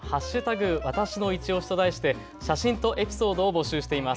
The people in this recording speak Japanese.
わたしのいちオシと題して写真とエピソードを募集しています。